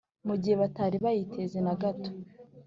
mu gihe batari bayiteze na gato,